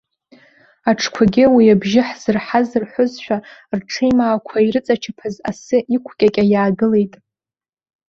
Аҽқәагьы уи абжьы ҳзырҳаз рҳәозшәа, рҽеимаақәа ирыҵачаԥаз асы иқәкьакьа иаагылеит.